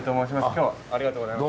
今日はありがとうございます。